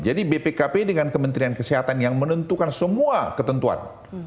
jadi bpkp dengan kementerian kesehatan yang menentukan semua ketentuan